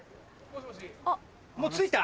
もう着いた？